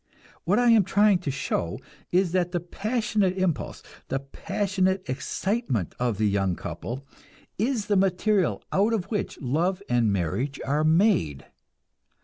What I am trying to show is that the passionate impulse, the passionate excitement of the young couple, is the material out of which love and marriage are made.